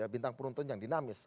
bintang penuntun yang dinamis